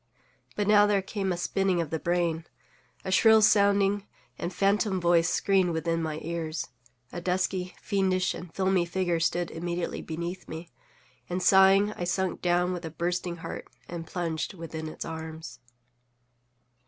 But now there came a spinning of the brain; a shrill sounding and phantom voice screamed within my ears; a dusky, fiendish, and filmy figure stood immediately beneath me; and, sighing, I sunk down with a bursting heart, and plunged within its arms.